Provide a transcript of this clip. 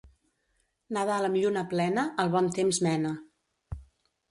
Nadal amb lluna plena el bon temps mena.